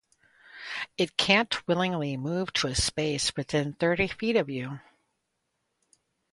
it can’t willingly move to a space within thirty feet of you.